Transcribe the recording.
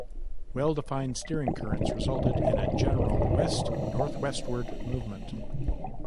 Well-defined steering currents resulted in a general west-northwestward movement.